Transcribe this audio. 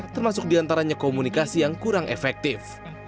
termasuk diantaranya komunikasi yang kurang efektif